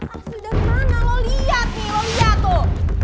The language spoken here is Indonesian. asli dari mana lo liat nih lo liat tuh